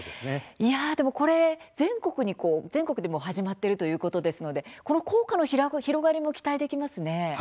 でもこれ、全国で始まっているということですのでこの効果の広がりも期待できますね。